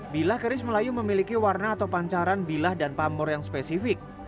bila keris melayu memiliki warna atau pancaran bilah dan pamor yang spesifik